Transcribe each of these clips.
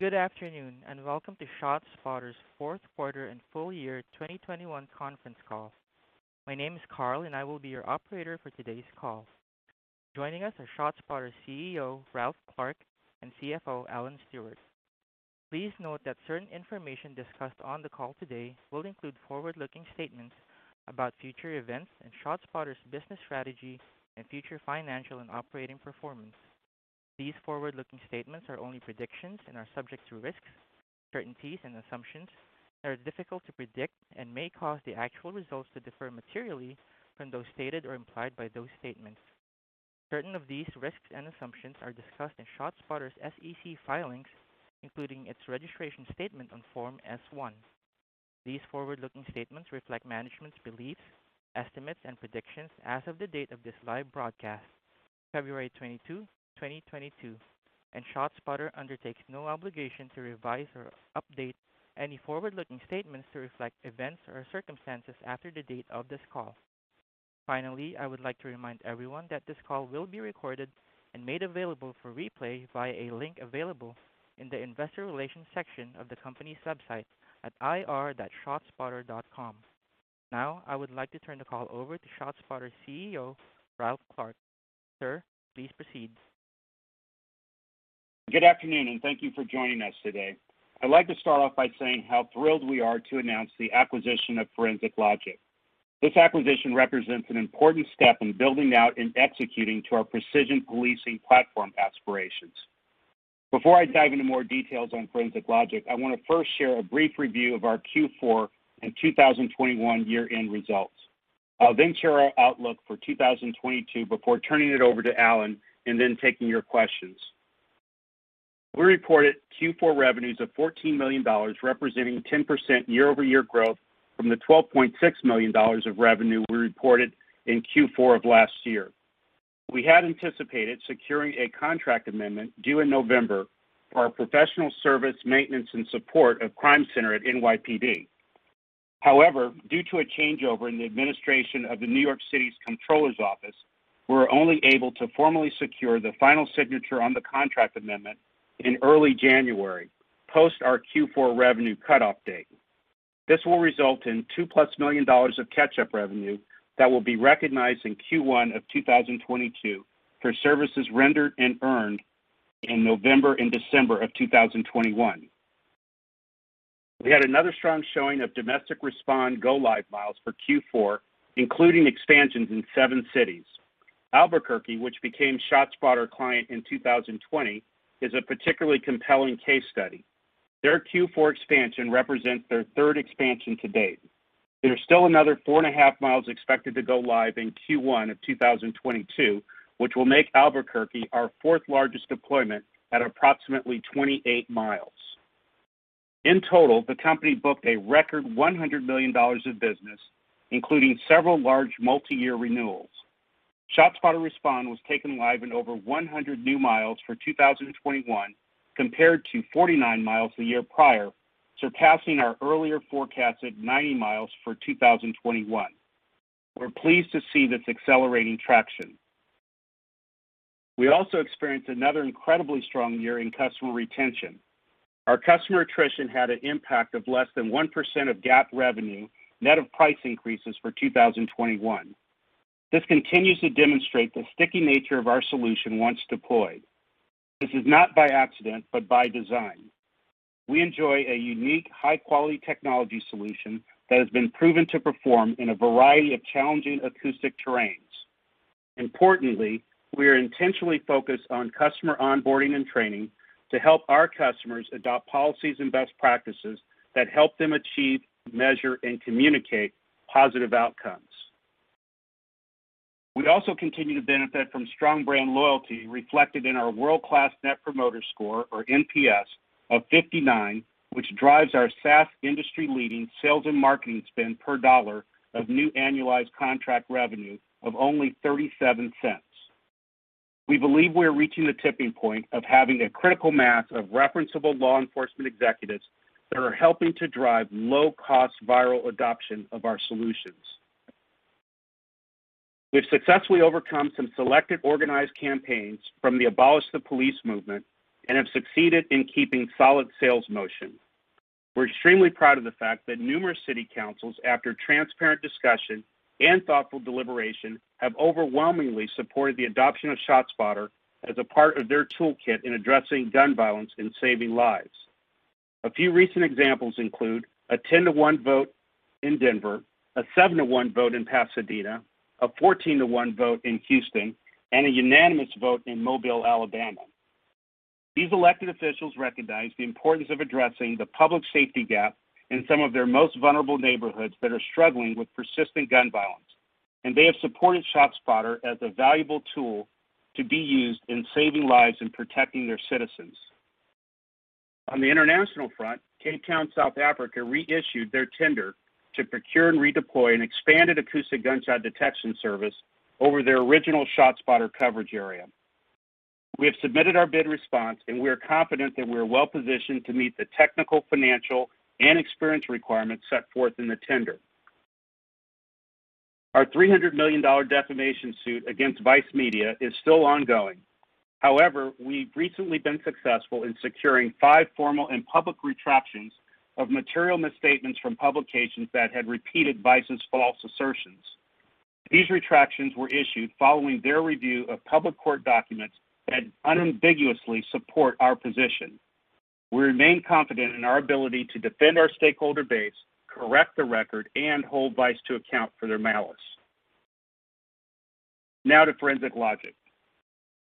Good afternoon, and welcome to ShotSpotter's fourth quarter and full year 2021 conference call. My name is Carl, and I will be your operator for today's call. Joining us are ShotSpotter's CEO, Ralph Clark, and CFO, Alan Stewart. Please note that certain information discussed on the call today will include forward-looking statements about future events and ShotSpotter's business strategy and future financial and operating performance. These forward-looking statements are only predictions and are subject to risks, uncertainties, and assumptions that are difficult to predict and may cause the actual results to differ materially from those stated or implied by those statements. Certain of these risks and assumptions are discussed in ShotSpotter's SEC filings, including its registration statement on Form S-1. These forward-looking statements reflect management's beliefs, estimates, and predictions as of the date of this live broadcast, February 22, 2022, and ShotSpotter undertakes no obligation to revise or update any forward-looking statements to reflect events or circumstances after the date of this call. Finally, I would like to remind everyone that this call will be recorded and made available for replay via a link available in the investor relations section of the company's website at ir.shotspotter.com. Now, I would like to turn the call over to ShotSpotter's CEO, Ralph Clark. Sir, please proceed. Good afternoon, and thank you for joining us today. I'd like to start off by saying how thrilled we are to announce the acquisition of Forensic Logic. This acquisition represents an important step in building out and executing to our precision policing platform aspirations. Before I dive into more details on Forensic Logic, I wanna first share a brief review of our Q4 and 2021 year-end results. I'll then share our outlook for 2022 before turning it over to Alan and then taking your questions. We reported Q4 revenues of $14 million, representing 10% year-over-year growth from the $12.6 million of revenue we reported in Q4 of last year. We had anticipated securing a contract amendment due in November for our professional service maintenance and support of Crime Center at NYPD. However, due to a changeover in the administration of the New York City Comptroller's office, we were only able to formally secure the final signature on the contract amendment in early January, post our Q4 revenue cutoff date. This will result in $2+ million of catch-up revenue that will be recognized in Q1 of 2022 for services rendered and earned in November and December of 2021. We had another strong showing of domestic Respond go live miles for Q4, including expansions in 7 cities. Albuquerque, which became ShotSpotter client in 2020, is a particularly compelling case study. Their Q4 expansion represents their third expansion to date. There are still another 4.5 miles expected to go live in Q1 of 2022, which will make Albuquerque our fourth largest deployment at approximately 28 miles. In total, the company booked a record $100 million of business, including several large multi-year renewals. ShotSpotter Respond was taken live in over 100 new miles for 2021 compared to 49 miles the year prior, surpassing our earlier forecast of 90 miles for 2021. We're pleased to see this accelerating traction. We also experienced another incredibly strong year in customer retention. Our customer attrition had an impact of less than 1% of GAAP revenue, net of price increases for 2021. This continues to demonstrate the sticky nature of our solution once deployed. This is not by accident, but by design. We enjoy a unique high-quality technology solution that has been proven to perform in a variety of challenging acoustic terrains. Importantly, we are intentionally focused on customer onboarding and training to help our customers adopt policies and best practices that help them achieve, measure, and communicate positive outcomes. We also continue to benefit from strong brand loyalty reflected in our world-class net promoter score or NPS of 59, which drives our SaaS industry-leading sales and marketing spend per dollar of new annualized contract revenue of only $0.37. We believe we are reaching the tipping point of having a critical mass of referenceable law enforcement executives that are helping to drive low-cost viral adoption of our solutions. We've successfully overcome some selected organized campaigns from the Abolish the Police movement and have succeeded in keeping solid sales motion. We're extremely proud of the fact that numerous city councils, after transparent discussion and thoughtful deliberation, have overwhelmingly supported the adoption of ShotSpotter as a part of their toolkit in addressing gun violence and saving lives. A few recent examples include a 10-to-1 vote in Denver, a 7-to-1 vote in Pasadena, a 14-to-1 vote in Houston, and a unanimous vote in Mobile, Alabama. These elected officials recognize the importance of addressing the public safety gap in some of their most vulnerable neighborhoods that are struggling with persistent gun violence, and they have supported ShotSpotter as a valuable tool to be used in saving lives and protecting their citizens. On the international front, Cape Town, South Africa, reissued their tender to procure and redeploy an expanded acoustic gunshot detection service over their original ShotSpotter coverage area. We have submitted our bid response, and we are confident that we are well-positioned to meet the technical, financial, and experience requirements set forth in the tender. Our $300 million defamation suit against Vice Media is still ongoing. However, we've recently been successful in securing five formal and public retractions of material misstatements from publications that had repeated Vice's false assertions. These retractions were issued following their review of public court documents that unambiguously support our position. We remain confident in our ability to defend our stakeholder base, correct the record, and hold Vice to account for their malice. Now to Forensic Logic.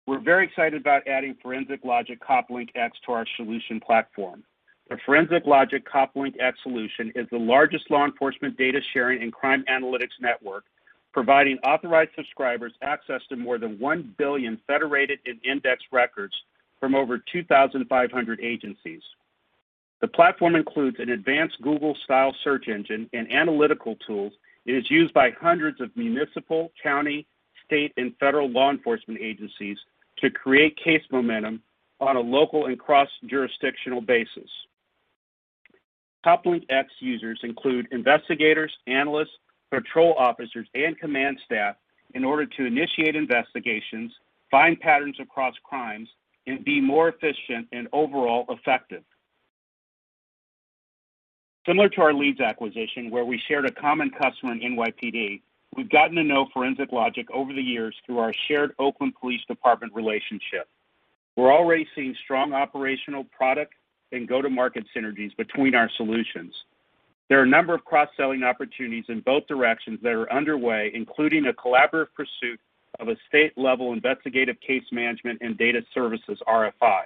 We're very excited about adding Forensic Logic CopLink X to our solution platform. The Forensic Logic CopLink X solution is the largest law enforcement data sharing and crime analytics network, providing authorized subscribers access to more than 1 billion federated and indexed records from over 2,500 agencies. The platform includes an advanced Google-style search engine and analytical tools. It is used by hundreds of municipal, county, state, and federal law enforcement agencies to create case momentum on a local and cross-jurisdictional basis. CopLink X users include investigators, analysts, patrol officers, and command staff in order to initiate investigations, find patterns across crimes, and be more efficient and overall effective. Similar to our LEADS acquisition, where we shared a common customer in NYPD, we've gotten to know Forensic Logic over the years through our shared Oakland Police Department relationship. We're already seeing strong operational product and go-to-market synergies between our solutions. There are a number of cross-selling opportunities in both directions that are underway, including a collaborative pursuit of a state-level investigative case management and data services RFI.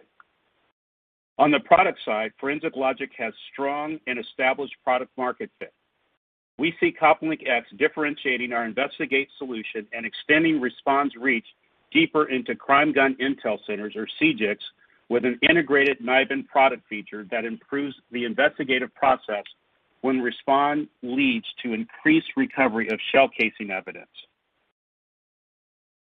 On the product side, Forensic Logic has strong and established product market fit. We see CopLink X differentiating our Investigate solution and extending response reach deeper into Crime Gun Intelligence Centers, or CGICs, with an integrated NIBIN product feature that improves the investigative process when Respond leads to increased recovery of shell casing evidence.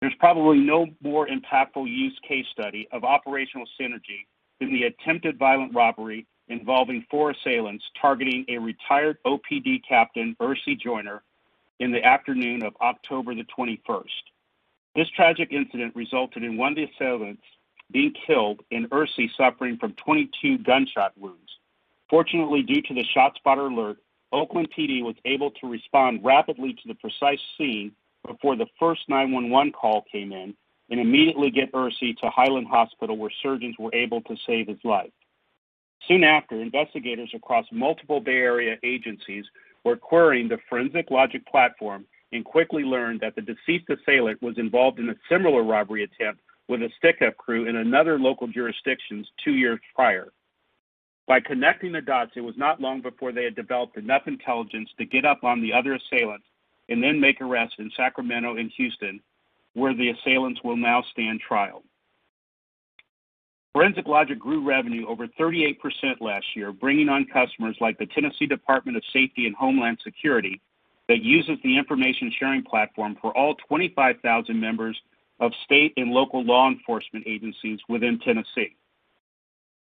There's probably no more impactful use case study of operational synergy than the attempted violent robbery involving 4 assailants targeting a retired OPD captain, Ersie Joyner, in the afternoon of October the twenty-first. This tragic incident resulted in one of the assailants being killed and Ersie suffering from 22 gunshot wounds. Fortunately, due to the ShotSpotter alert, Oakland PD was able to respond rapidly to the precise scene before the first 911 call came in and immediately get Ersie to Highland Hospital, where surgeons were able to save his life. Soon after, investigators across multiple Bay Area agencies were querying the Forensic Logic platform and quickly learned that the deceased assailant was involved in a similar robbery attempt with a stickup crew in another local jurisdictions two years prior. By connecting the dots, it was not long before they had developed enough intelligence to get up on the other assailants and then make arrests in Sacramento and Houston, where the assailants will now stand trial. Forensic Logic grew revenue over 38% last year, bringing on customers like the Tennessee Department of Safety and Homeland Security that uses the information sharing platform for all 25,000 members of state and local law enforcement agencies within Tennessee.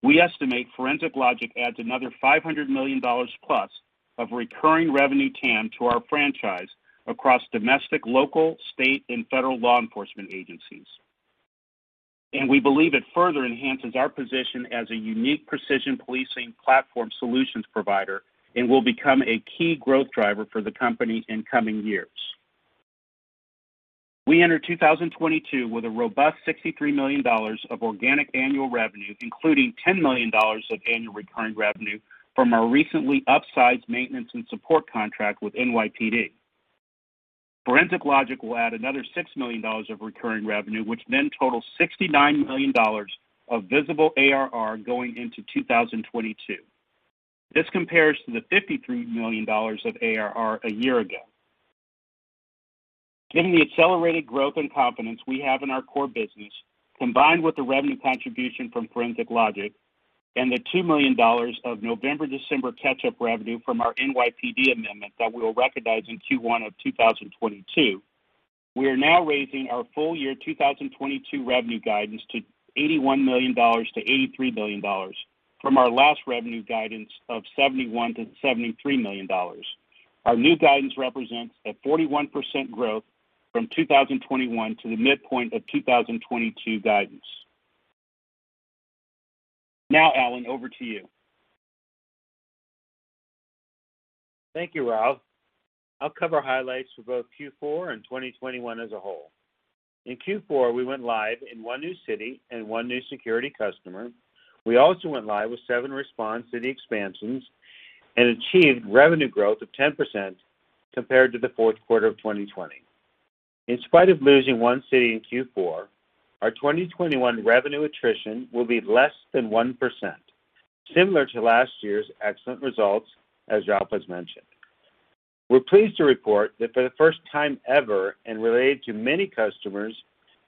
We estimate Forensic Logic adds another $500 million plus of recurring revenue TAM to our franchise across domestic, local, state, and federal law enforcement agencies. We believe it further enhances our position as a unique precision policing platform solutions provider and will become a key growth driver for the company in coming years. We enter 2022 with a robust $63 million of organic annual revenue, including $10 million of annual recurring revenue from our recently upsized maintenance and support contract with NYPD. Forensic Logic will add another $6 million of recurring revenue, which then totals $69 million of visible ARR going into 2022. This compares to the $53 million of ARR a year ago. Given the accelerated growth and confidence we have in our core business, combined with the revenue contribution from Forensic Logic and the $2 million of November-December catch-up revenue from our NYPD amendment that we'll recognize in Q1 of 2022, we are now raising our full-year 2022 revenue guidance to $81 million-$83 million from our last revenue guidance of $71 million-$73 million. Our new guidance represents a 41% growth from 2021 to the midpoint of 2022 guidance. Now, Alan, over to you. Thank you, Ralph. I'll cover highlights for both Q4 and 2021 as a whole. In Q4, we went live in 1 new city and 1 new security customer. We also went live with 7 Respond city expansions and achieved revenue growth of 10% compared to the fourth quarter of 2020. In spite of losing 1 city in Q4, our 2021 revenue attrition will be less than 1%, similar to last year's excellent results, as Ralph has mentioned. We're pleased to report that for the first time ever, and related to many customers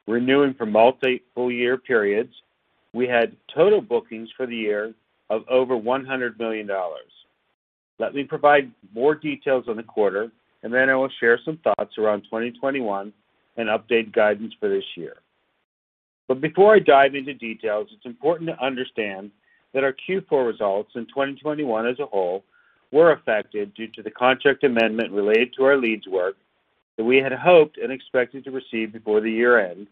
renewing for multi-year periods, we had total bookings for the year of over $100 million. Let me provide more details on the quarter, and then I will share some thoughts around 2021 and update guidance for this year. Before I dive into details, it's important to understand that our Q4 results in 2021 as a whole were affected due to the contract amendment related to our leads work that we had hoped and expected to receive before the year end,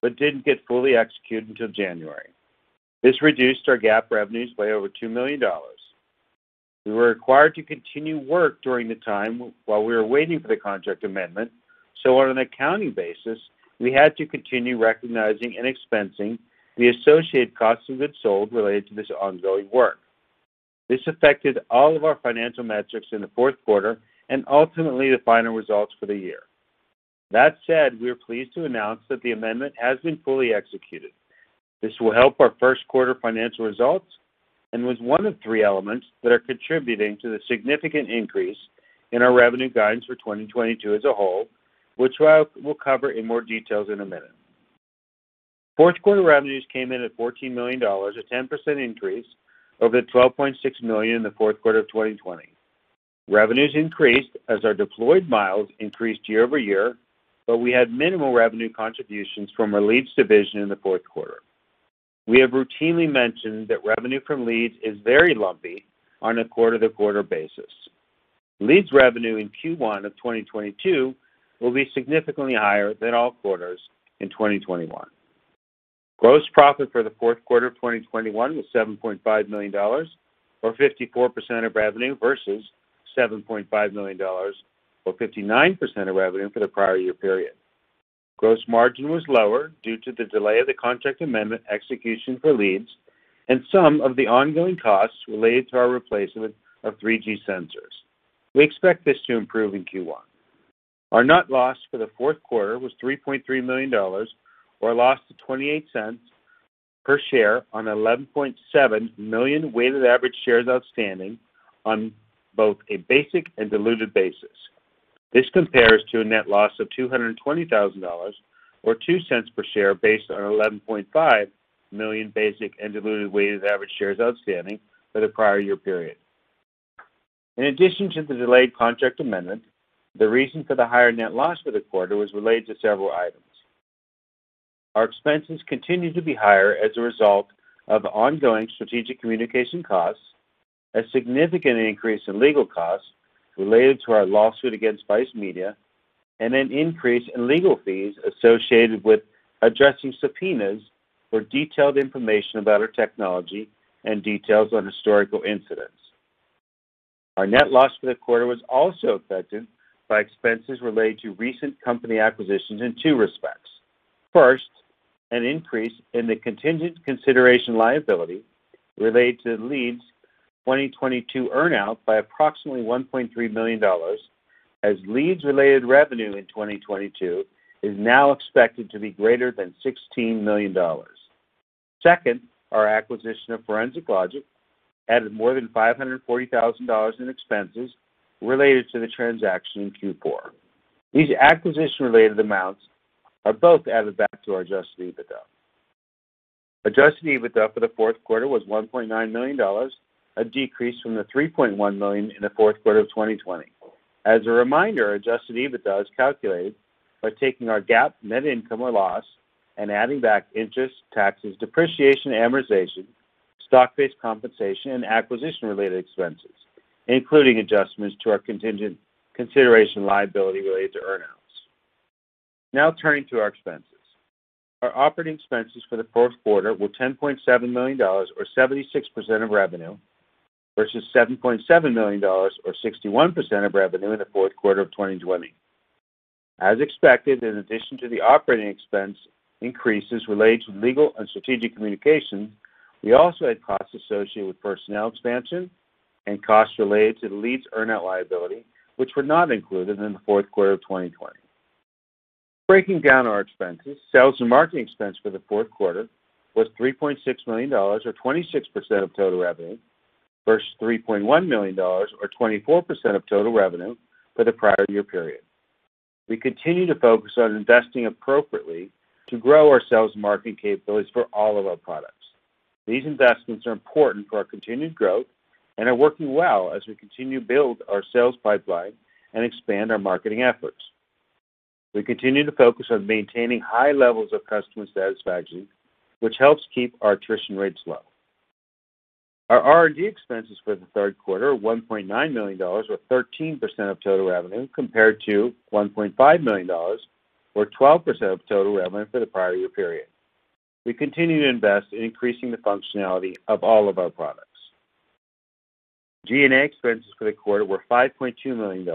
but didn't get fully executed until January. This reduced our GAAP revenues by over $2 million. We were required to continue work during the time while we were waiting for the contract amendment, so on an accounting basis, we had to continue recognizing and expensing the associated cost of goods sold related to this ongoing work. This affected all of our financial metrics in the fourth quarter and ultimately the final results for the year. That said, we are pleased to announce that the amendment has been fully executed. This will help our first quarter financial results and was one of three elements that are contributing to the significant increase in our revenue guidance for 2022 as a whole, which I will cover in more details in a minute. Fourth quarter revenues came in at $14 million, a 10% increase over the $12.6 million in the fourth quarter of 2020. Revenues increased as our deployed miles increased year-over-year, but we had minimal revenue contributions from our leads division in the fourth quarter. We have routinely mentioned that revenue from leads is very lumpy on a quarter-to-quarter basis. Leads revenue in Q1 of 2022 will be significantly higher than all quarters in 2021. Gross profit for the fourth quarter of 2021 was $7.5 million, or 54% of revenue, versus $7.5 million, or 59% of revenue for the prior year period. Gross margin was lower due to the delay of the contract amendment execution for LEADS and some of the ongoing costs related to our replacement of 3G sensors. We expect this to improve in Q1. Our net loss for the fourth quarter was $3.3 million, or a loss of $0.28 per share on 11.7 million weighted average shares outstanding on both a basic and diluted basis. This compares to a net loss of $220,000 or $0.02 per share based on 11.5 million basic and diluted weighted average shares outstanding for the prior year period. In addition to the delayed contract amendment, the reason for the higher net loss for the quarter was related to several items. Our expenses continued to be higher as a result of ongoing strategic communication costs, a significant increase in legal costs related to our lawsuit against Vice Media, and an increase in legal fees associated with addressing subpoenas for detailed information about our technology and details on historical incidents. Our net loss for the quarter was also affected by expenses related to recent company acquisitions in two respects. First, an increase in the contingent consideration liability related to the LEADS 2022 earn-out by approximately $1.3 million as LEADS-related revenue in 2022 is now expected to be greater than $16 million. Second, our acquisition of Forensic Logic added more than $540 thousand in expenses related to the transaction in Q4. These acquisition-related amounts are both added back to our adjusted EBITDA. Adjusted EBITDA for the fourth quarter was $1.9 million, a decrease from the $3.1 million in the fourth quarter of 2020. As a reminder, adjusted EBITDA is calculated by taking our GAAP net income or loss and adding back interest, taxes, depreciation, amortization, stock-based compensation, and acquisition related expenses, including adjustments to our contingent consideration liability related to earn-outs. Now turning to our expenses. Our operating expenses for the fourth quarter were $10.7 million or 76% of revenue, versus $7.7 million or 61% of revenue in the fourth quarter of 2020. As expected, in addition to the operating expense increases related to legal and strategic communication, we also had costs associated with personnel expansion and costs related to the leads earn-out liability, which were not included in the fourth quarter of 2020. Breaking down our expenses, sales and marketing expense for the fourth quarter was $3.6 million or 26% of total revenue, versus $3.1 million or 24% of total revenue for the prior year period. We continue to focus on investing appropriately to grow our sales and marketing capabilities for all of our products. These investments are important for our continued growth and are working well as we continue to build our sales pipeline and expand our marketing efforts. We continue to focus on maintaining high levels of customer satisfaction, which helps keep our attrition rates low. Our R&D expenses for the third quarter, $1.9 million or 13% of total revenue, compared to $1.5 million or 12% of total revenue for the prior year period. We continue to invest in increasing the functionality of all of our products. G&A expenses for the quarter were $5.2 million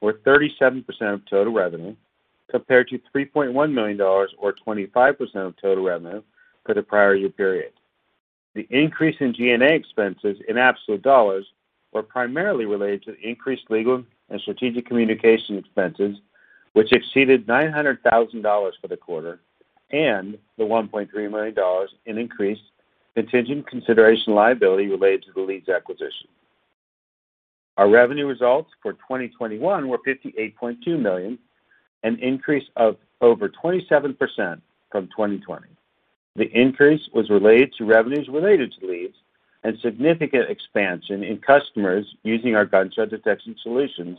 or 37% of total revenue, compared to $3.1 million or 25% of total revenue for the prior year period. The increase in G&A expenses in absolute dollars were primarily related to increased legal and strategic communication expenses, which exceeded $900,000 for the quarter and the $1.3 million in increased contingent consideration liability related to the LEADS acquisition. Our revenue results for 2021 were $58.2 million, an increase of over 27% from 2020. The increase was related to revenues related to leads and significant expansion in customers using our gunshot detection solutions.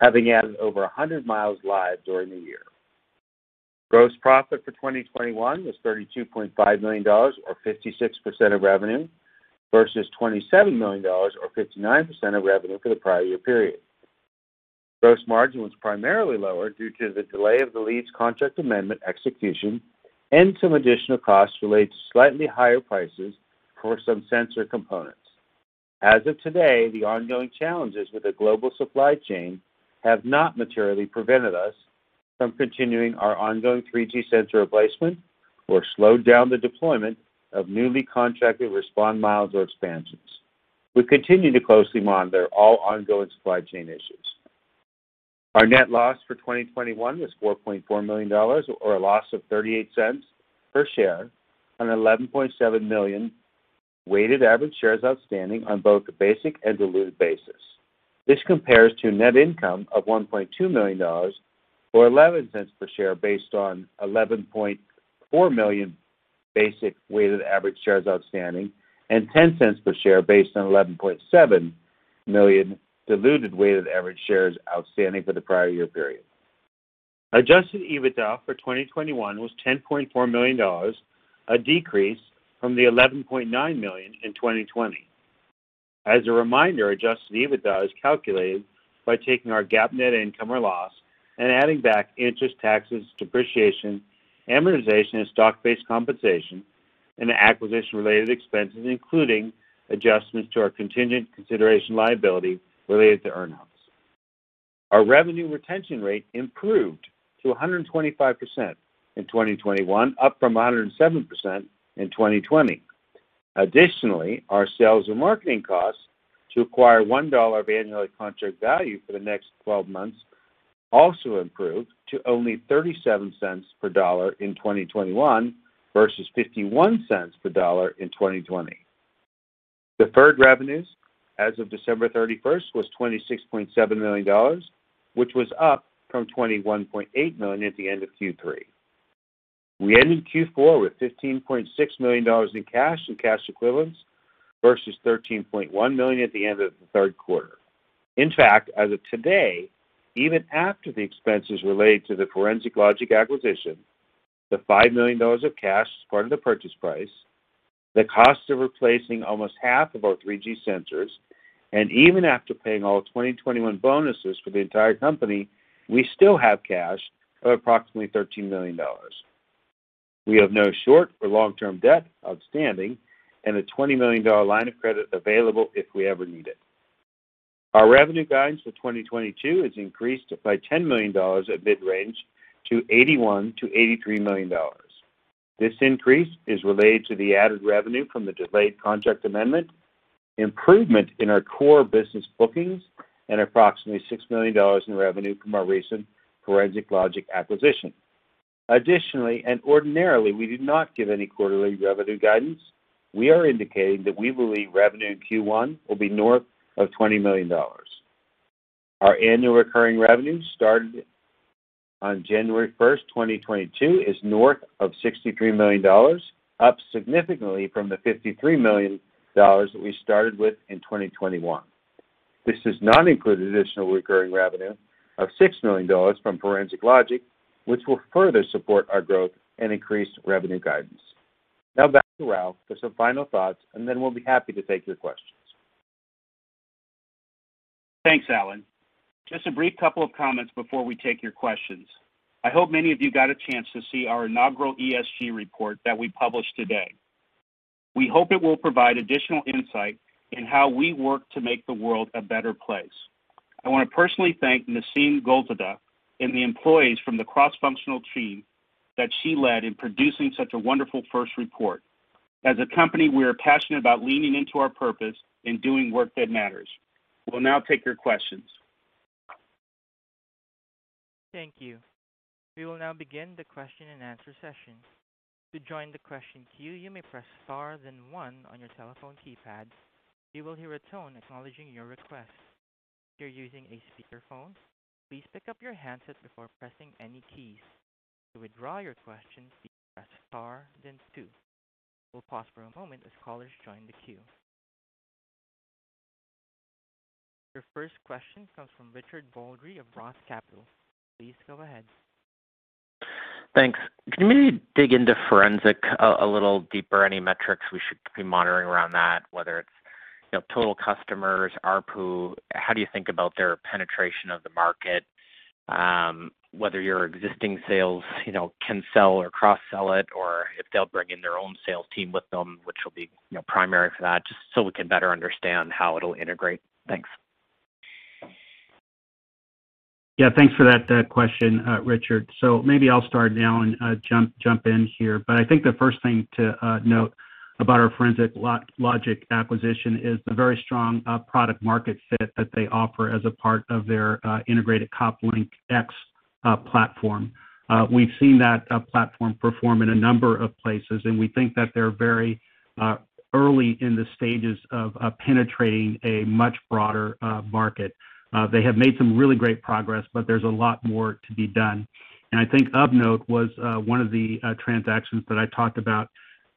Having added over 100 miles live during the year. Gross profit for 2021 was $32.5 million or 56% of revenue versus $27 million or 59% of revenue for the prior year period. Gross margin was primarily lower due to the delay of the leads contract amendment execution and some additional costs related to slightly higher prices for some sensor components. As of today, the ongoing challenges with the global supply chain have not materially prevented us from continuing our ongoing 3G sensor replacement or slowed down the deployment of newly contracted respond miles or expansions. We continue to closely monitor all ongoing supply chain issues. Our net loss for 2021 was $4.4 million or a loss of $0.38 per share on 11.7 million weighted average shares outstanding on both a basic and diluted basis. This compares to net income of $1.2 million or $0.11 per share based on 11.4 million basic weighted average shares outstanding and $0.10 per share based on 11.7 million diluted weighted average shares outstanding for the prior year period. Adjusted EBITDA for 2021 was $10.4 million, a decrease from the $11.9 million in 2020. As a reminder, adjusted EBITDA is calculated by taking our GAAP net income or loss and adding back interest, taxes, depreciation, amortization, and stock-based compensation and acquisition-related expenses, including adjustments to our contingent consideration liability related to earn outs. Our revenue retention rate improved to 125% in 2021, up from 107% in 2020. Additionally, our sales and marketing costs to acquire $1 of annual contract value for the next twelve months also improved to only 37 cents per $1 in 2021 versus 51 cents per $1 in 2020. Deferred revenues as of December 31 was $26.7 million, which was up from $21.8 million at the end of Q3. We ended Q4 with $15.6 million in cash and cash equivalents versus $13.1 million at the end of the third quarter. In fact, as of today, even after the expenses related to the Forensic Logic acquisition, the $5 million of cash as part of the purchase price, the cost of replacing almost half of our 3G sensors, and even after paying all of 2021 bonuses for the entire company, we still have cash of approximately $13 million. We have no short or long-term debt outstanding and a $20 million line of credit available if we ever need it. Our revenue guidance for 2022 is increased by $10 million at mid-range to $81 million-$83 million. This increase is related to the added revenue from the delayed contract amendment, improvement in our core business bookings, and approximately $6 million in revenue from our recent Forensic Logic acquisition. Additionally, and ordinarily, we did not give any quarterly revenue guidance. We are indicating that we believe revenue in Q1 will be north of $20 million. Our annual recurring revenue started on January 1, 2022, is north of $63 million, up significantly from the $53 million that we started with in 2021. This does not include additional recurring revenue of $6 million from Forensic Logic, which will further support our growth and increase revenue guidance. Now back to Ralph for some final thoughts, and then we'll be happy to take your questions. Thanks, Alan. Just a brief couple of comments before we take your questions. I hope many of you got a chance to see our inaugural ESG report that we published today. We hope it will provide additional insight into how we work to make the world a better place. I want to personally thank Nasim Golzadeh and the employees from the cross-functional team that she led in producing such a wonderful first report. As a company, we are passionate about leaning into our purpose and doing work that matters. We'll now take your questions. Thank you. We will now begin the question and answer session. To join the question queue, you may press Star then one on your telephone keypad. You will hear a tone acknowledging your request. If you're using a speakerphone, please pick up your handset before pressing any keys. To withdraw your question, please press Star then two. We'll pause for a moment as callers join the queue. Your first question comes from Richard Baldry of Roth Capital. Please go ahead. Thanks. Can you maybe dig into Forensic Logic a little deeper? Any metrics we should be monitoring around that, whether it's, you know, total customers, ARPU? How do you think about their penetration of the market? Whether your existing sales, you know, can sell or cross-sell it, or if they'll bring in their own sales team with them, which will be, you know, primary for that, just so we can better understand how it'll integrate. Thanks. Yeah, thanks for that question, Richard. Maybe I'll start, and Alan jump in here. I think the first thing to note about our Forensic Logic acquisition is the very strong product market fit that they offer as a part of their integrated CopLink X platform. We've seen that platform perform in a number of places, and we think that they're very early in the stages of penetrating a much broader market. They have made some really great progress, but there's a lot more to be done. I think LEADS was one of the transactions that I talked about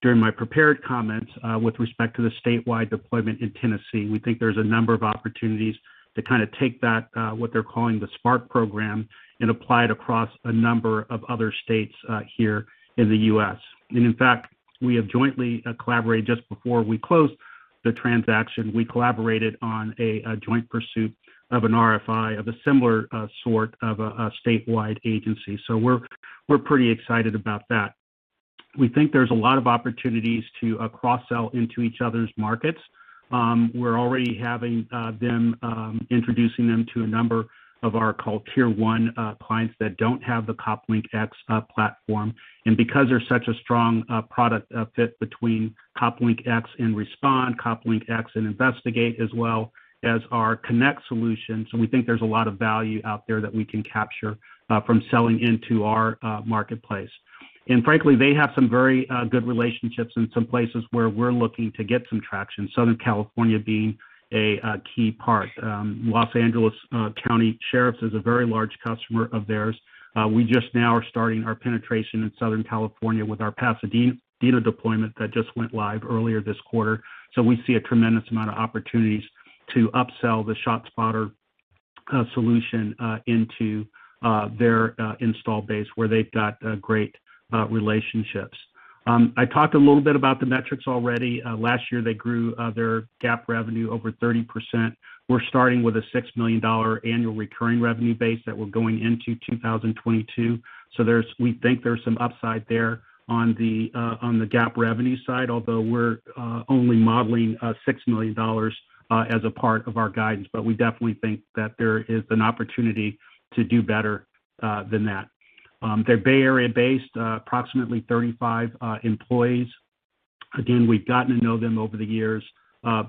during my prepared comments with respect to the statewide deployment in Tennessee. We think there's a number of opportunities to kind of take that, what they're calling the SMART program, and apply it across a number of other states, here in the U.S. In fact, we have jointly collaborated just before we closed the transaction on a joint pursuit of an RFI of a similar sort of a statewide agency. We're pretty excited about that. We think there's a lot of opportunities to cross-sell into each other's markets. We're already having them introducing them to a number of our called tier one clients that don't have the CopLink X platform. Because they're such a strong product fit between CopLink X and Respond, CopLink X and Investigate, as well as our Connect solution. We think there's a lot of value out there that we can capture from selling into our marketplace. Frankly, they have some very good relationships in some places where we're looking to get some traction, Southern California being a key part. Los Angeles County Sheriff's Department is a very large customer of theirs. We just now are starting our penetration in Southern California with our Pasadena deployment that just went live earlier this quarter. We see a tremendous amount of opportunities to upsell the ShotSpotter solution into their install base where they've got great relationships. I talked a little bit about the metrics already. Last year, they grew their GAAP revenue over 30%. We're starting with a $6 million annual recurring revenue base that we're going into 2022. We think there's some upside there on the GAAP revenue side, although we're only modeling $6 million as a part of our guidance. We definitely think that there is an opportunity to do better than that. They're Bay Area-based, approximately 35 employees. Again, we've gotten to know them over the years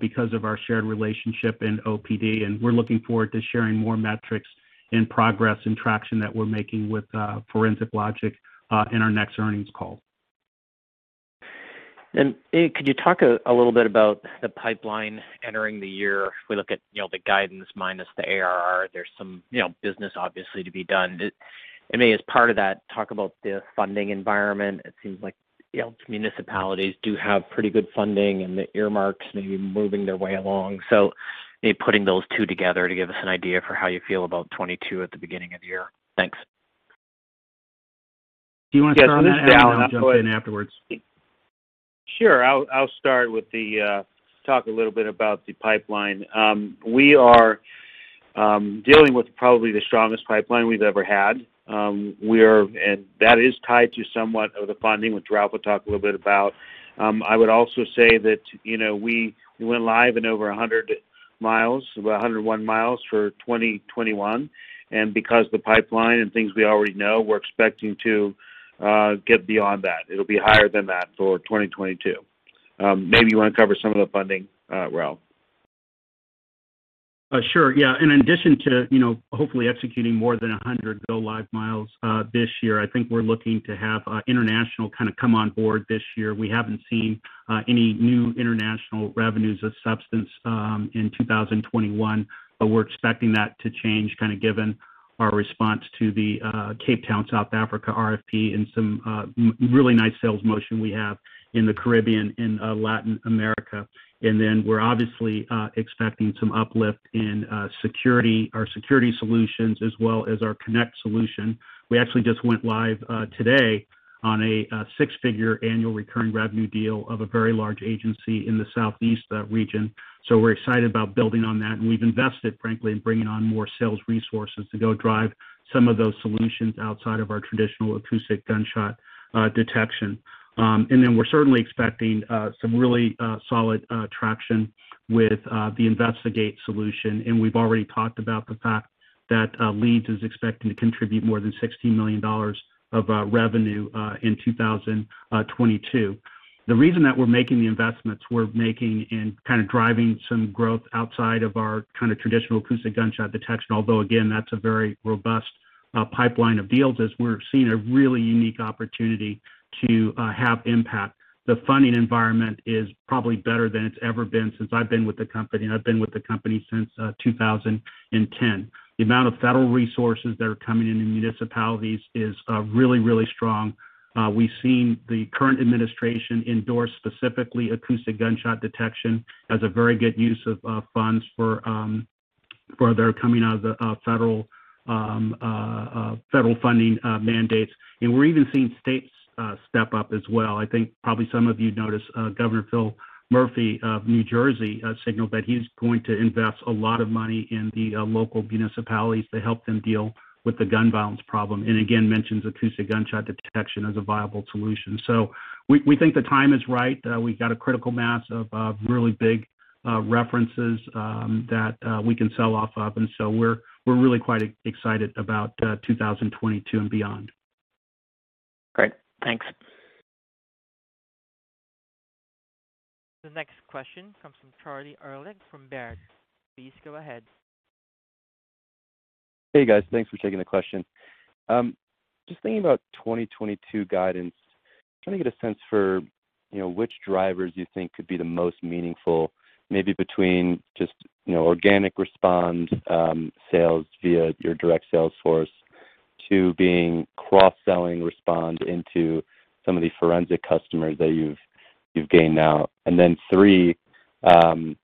because of our shared relationship in OPD, and we're looking forward to sharing more metrics and progress and traction that we're making with Forensic Logic in our next earnings call. A, could you talk a little bit about the pipeline entering the year? If we look at, you know, the guidance minus the ARR, there's some, you know, business obviously to be done. A, as part of that, talk about the funding environment. It seems like, you know, municipalities do have pretty good funding, and the earmarks may be moving their way along. Maybe putting those two together to give us an idea for how you feel about 2022 at the beginning of the year. Thanks. Do you wanna start on that, and then I'll jump in afterwards? Sure. I'll start to talk a little bit about the pipeline. We are dealing with probably the strongest pipeline we've ever had. That is tied somewhat to the funding, which Ralph will talk a little bit about. I would also say that, you know, we went live in over 100 miles, about 101 miles for 2021. Because the pipeline and things we already know, we're expecting to get beyond that. It'll be higher than that for 2022. Maybe you wanna cover some of the funding, Ralph. Sure, yeah. In addition to, you know, hopefully executing more than 100 go live miles this year, I think we're looking to have international kind of come on board this year. We haven't seen any new international revenues of substance in 2021, but we're expecting that to change, kind of given our response to the Cape Town, South Africa, RFP, and some really nice sales motion we have in the Caribbean and Latin America. Then we're obviously expecting some uplift in security, our security solutions, as well as our Connect solution. We actually just went live today on a six-figure annual recurring revenue deal of a very large agency in the Southeast region. We're excited about building on that, and we've invested, frankly, in bringing on more sales resources to go drive some of those solutions outside of our traditional acoustic gunshot detection. We're certainly expecting some really solid traction with the Investigate solution, and we've already talked about the fact that LEADS is expecting to contribute more than $16 million of revenue in 2022. The reason that we're making the investments we're making in kind of driving some growth outside of our kind of traditional acoustic gunshot detection, although again, that's a very robust pipeline of deals, is we're seeing a really unique opportunity to have impact. The funding environment is probably better than it's ever been since I've been with the company, and I've been with the company since 2010. The amount of federal resources that are coming into municipalities is really strong. We've seen the current administration endorse specifically acoustic gunshot detection as a very good use of funds for their coming out of the federal funding mandates. We're even seeing states step up as well. I think probably some of you noticed Governor Phil Murphy of New Jersey signaled that he's going to invest a lot of money in the local municipalities to help them deal with the gun violence problem, and again, mentions acoustic gunshot detection as a viable solution. We think the time is right. We've got a critical mass of really big references that we can sell off of. We're really quite excited about 2022 and beyond. Great. Thanks. The next question comes from Charlie Erlikh from Baird. Please go ahead. Hey, guys. Thanks for taking the question. Just thinking about 2022 guidance, trying to get a sense for, you know, which drivers you think could be the most meaningful, maybe between just, you know, organic Respond sales via your direct sales force, to being cross-selling Respond into some of the Forensic customers that you've gained now. Three, the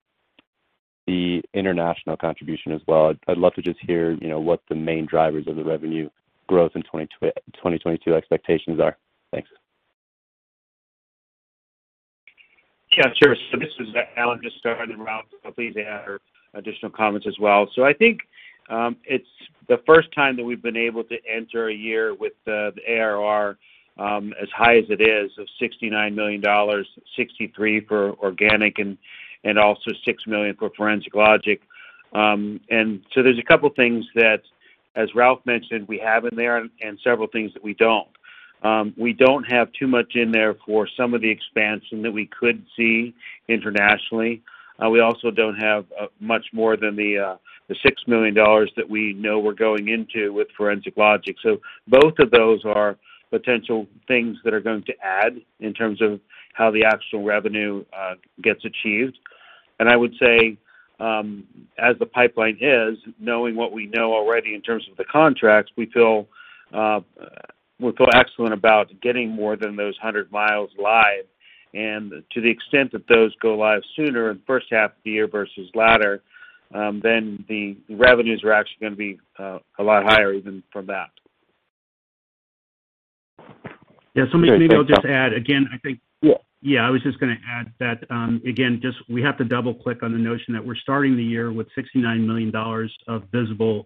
international contribution as well. I'd love to just hear, you know, what the main drivers of the revenue growth in 2022 expectations are. Thanks. Yeah, sure. This is Alan. Just go ahead, Ralph, please add additional comments as well. I think it's the first time that we've been able to enter a year with the ARR as high as it is, of $69 million, $63 million for organic and also $6 million for Forensic Logic. There's a couple things that, as Ralph mentioned, we have in there and several things that we don't. We don't have too much in there for some of the expansion that we could see internationally. We also don't have much more than the $6 million that we know we're going into with Forensic Logic. Both of those are potential things that are going to add in terms of how the actual revenue gets achieved. I would say, as the pipeline is, knowing what we know already in terms of the contracts, we feel excellent about getting more than those 100 miles live. To the extent that those go live sooner in first half of the year versus latter, then the revenues are actually gonna be a lot higher even from that. Yeah. Maybe I'll just add again, I think. Yeah. Yeah. I was just gonna add that, again, just we have to double-click on the notion that we're starting the year with $69 million of visible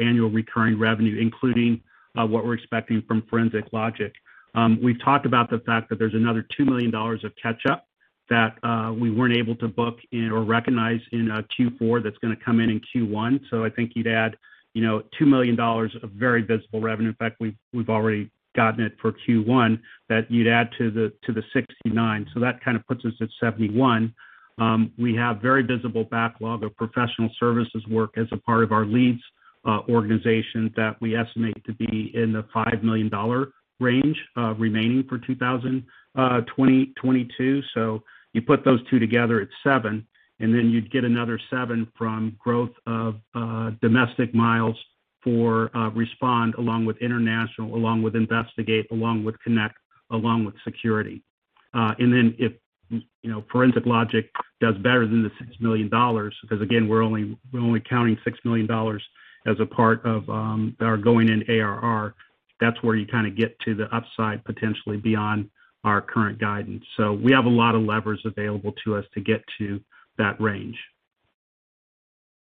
annual recurring revenue, including what we're expecting from Forensic Logic. We've talked about the fact that there's another $2 million of catch-up that we weren't able to book in or recognize in Q4 that's gonna come in in Q1. I think you'd add, you know, $2 million of very visible revenue. In fact, we've already gotten it for Q1 that you'd add to the 69. That kind of puts us at 71. We have very visible backlog of professional services work as a part of our LEADS organization that we estimate to be in the $5 million range remaining for 2022. You put those two together, it's 7, and then you'd get another 7 from growth of domestic sales for Respond along with international, along with Investigate, along with Connect, along with Security. And then if you know, Forensic Logic does better than the $6 million, because again, we're only counting $6 million as a part of our going in ARR, that's where you kinda get to the upside potentially beyond our current guidance. We have a lot of levers available to us to get to that range.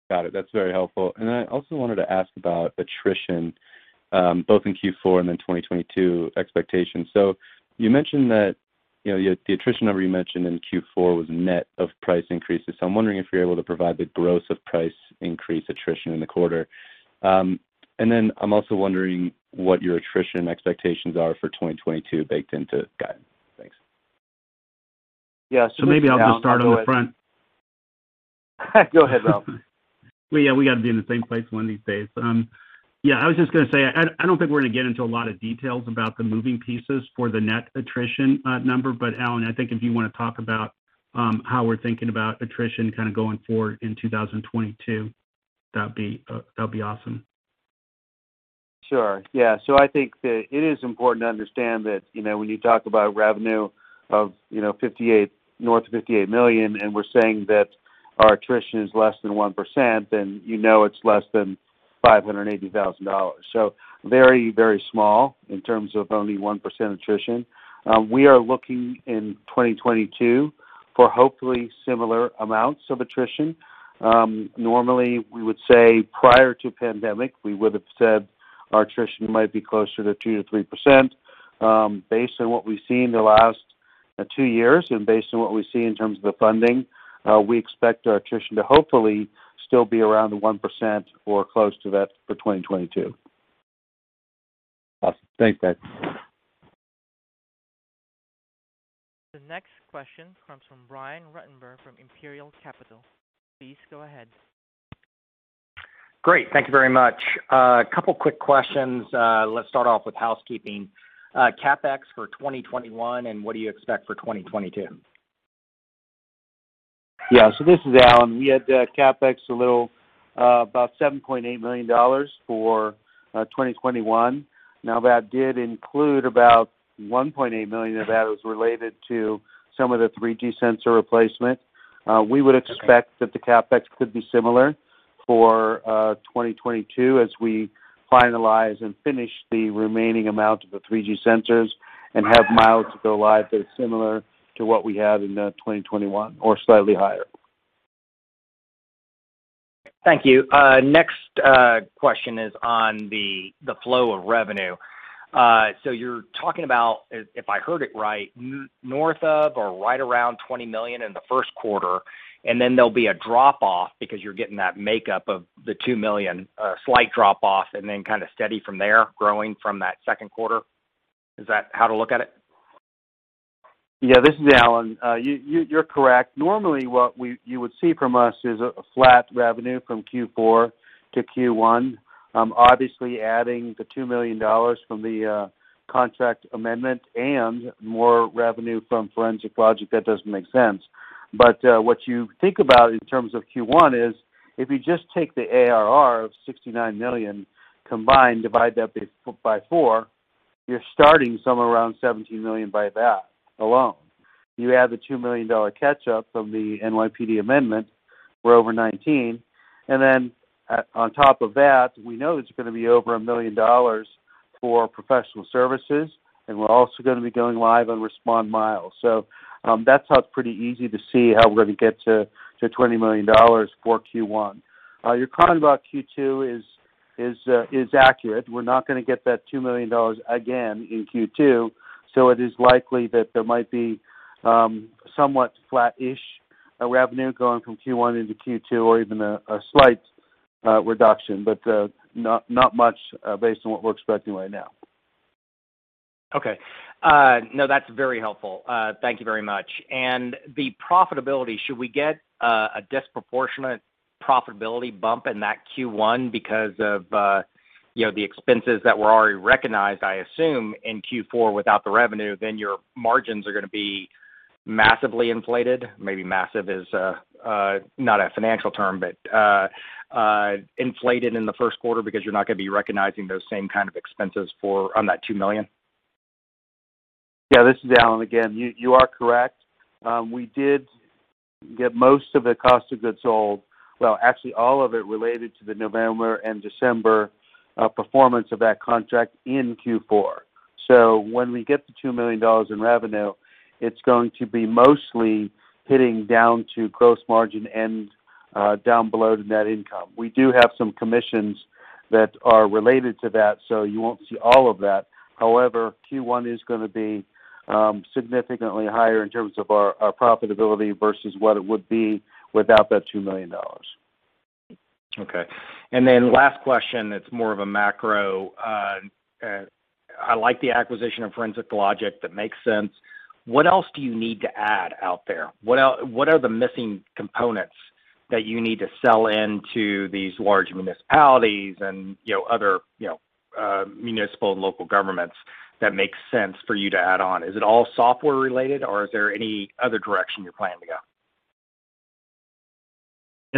Got it. That's very helpful. I also wanted to ask about attrition both in Q4 and then 2022 expectations. You mentioned that, you know, the attrition number you mentioned in Q4 was net of price increases. I'm wondering if you're able to provide the gross of price increase attrition in the quarter. I'm also wondering what your attrition expectations are for 2022 baked into guidance. Thanks. Yeah. Maybe I'll just start on the front. Go ahead, Ralph. Well, yeah, we got to be in the same place one of these days. Yeah, I was just gonna say, I don't think we're gonna get into a lot of details about the moving pieces for the net attrition number. Alan, I think if you wanna talk about how we're thinking about attrition kind of going forward in 2022, that'd be awesome. Sure. Yeah. I think that it is important to understand that, you know, when you talk about revenue of, you know, north of $58 million, and we're saying that our attrition is less than 1%, then you know it's less than $580,000. Very, very small in terms of only 1% attrition. We are looking in 2022 for hopefully similar amounts of attrition. Normally, we would say prior to pandemic, we would have said our attrition might be closer to 2%-3%. Based on what we've seen in the last two years and based on what we see in terms of the funding, we expect our attrition to hopefully still be around the 1% or close to that for 2022. Awesome. Thanks, guys. The next question comes from Brian Ruttenbur from Imperial Capital. Please go ahead. Great. Thank you very much. A couple quick questions. Let's start off with housekeeping. CapEx for 2021 and what do you expect for 2022? This is Alan. We had CapEx a little about $7.8 million for 2021. Now, that did include about $1.8 million of that was related to some of the 3G sensor replacement. We would- Okay. Expect that the CapEx could be similar for 2022 as we finalize and finish the remaining amount of the 3G sensors and have miles to go live that are similar to what we had in 2021 or slightly higher. Thank you. Next question is on the flow of revenue. So you're talking about, if I heard it right, north of or right around $20 million in the first quarter, and then there'll be a drop-off because you're getting that makeup of the $2 million, slight drop-off and then kinda steady from there growing from that second quarter. Is that how to look at it? Yeah, this is Alan. You're correct. Normally, what you would see from us is a flat revenue from Q4 to Q1. Obviously adding the $2 million from the contract amendment and more revenue from Forensic Logic, that doesn't make sense. What you think about in terms of Q1 is if you just take the ARR of $69 million combined, divide that by four, you're starting somewhere around $17 million by that alone. You add the $2 million catch-up from the NYPD amendment, we're over 19. Then on top of that, we know there's gonna be over $1 million for professional services, and we're also gonna be going live on Respond Miles. That's how it's pretty easy to see how we're gonna get to $20 million for Q1. Your comment about Q2 is accurate. We're not gonna get that $2 million again in Q2, so it is likely that there might be somewhat flattish revenue going from Q1 into Q2 or even a slight reduction, but not much based on what we're expecting right now. Okay. No, that's very helpful. Thank you very much. The profitability, should we get a disproportionate profitability bump in that Q1 because of, you know, the expenses that were already recognized, I assume, in Q4 without the revenue, then your margins are gonna be massively inflated. Maybe massive is not a financial term, but inflated in the first quarter because you're not gonna be recognizing those same kind of expenses on that $2 million. Yeah, this is Alan again. You are correct. We did get most of the cost of goods sold, well, actually all of it related to the November and December performance of that contract in Q4. When we get the $2 million in revenue, it's going to be mostly hitting down to gross margin and down below the net income. We do have some commissions that are related to that, so you won't see all of that. However, Q1 is gonna be significantly higher in terms of our profitability versus what it would be without that $2 million. Okay. Last question, it's more of a macro. I like the acquisition of Forensic Logic. That makes sense. What else do you need to add out there? What are the missing components that you need to sell into these large municipalities and, you know, other, you know, municipal and local governments that make sense for you to add on? Is it all software related, or is there any other direction you're planning to go?